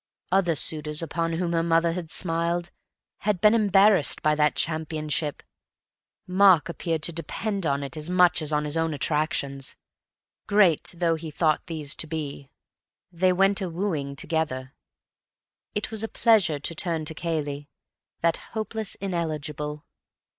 Other suitors, upon whom her mother had smiled, had been embarrassed by that championship; Mark appeared to depend on it as much as on his own attractions; great though he thought these to be. They went a wooing together. It was a pleasure to turn to Cayley, that hopeless ineligible.